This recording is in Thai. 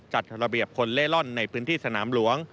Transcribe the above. จัดระเบียบคนเล่ร่อนในพื้นที่สนามหลวง